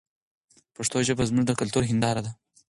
پښتو ژبه زموږ د کلتور هنداره ده.